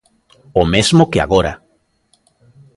O mesmo que agora.